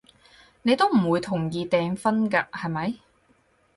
你都唔會同意訂婚㗎，係咪？